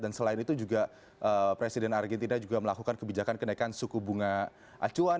dan selain itu juga presiden argentina juga melakukan kebijakan kenaikan suku bunga acuan